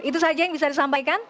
itu saja yang bisa disampaikan